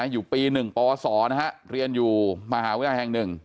อยู่ปีหนึ่งปศนะฮะเรียนอยู่มหาวิทยาลัยแห่งหนึ่ง